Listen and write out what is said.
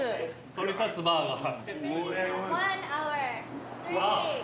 そり立つバーガー。